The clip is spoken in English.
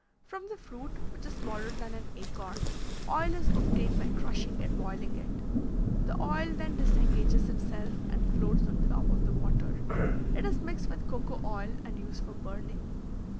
From the fruit, which is smaller than an acorn, oil is obtained by crushing and boiling it; the oil then disengages itself and floats on the top of the water. It is mixed with cocoa oil and used for burning.